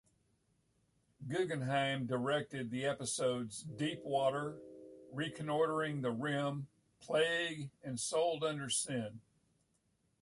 Guggenheim directed the episodes "Deep Water", "Reconnoitering the Rim", "Plague" and "Sold Under Sin".